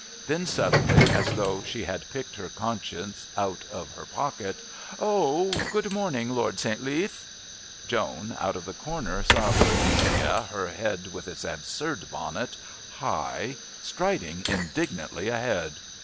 Then suddenly, as though she had picked her conscience out of her pocket: "Oh, good morning, Lord St. Leath." Joan, out of the corner, saw Boadicea, her head with its absurd bonnet high, striding indignantly ahead.